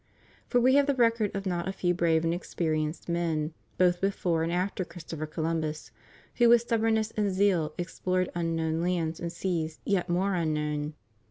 For we have the record of not a fevi' brave and experienced men, both before and after Chris topher Columbus, who vnth. stubbornness and zeal ex plored unknown lands and seas yet more unknown.